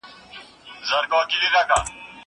زه اجازه لرم چي موسيقي اورم!